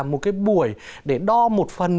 một cái buổi để đo một phần